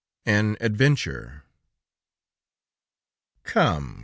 AN ADVENTURE "Come!